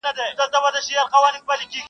نو دا څنکه د ده څو چنده فایده ده,